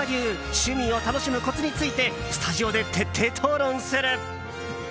趣味を楽しむコツについてスタジオで徹底討論する！